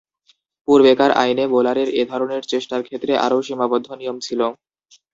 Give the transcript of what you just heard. পূর্বেকার আইনে বোলারের এ ধরনের চেষ্টার ক্ষেত্রে আরও সীমাবদ্ধ নিয়ম ছিল।